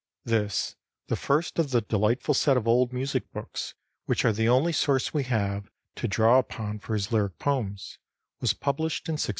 This, the first of the delightful set of old music books which are the only source we have to draw upon for his lyric poems, was published in 1601.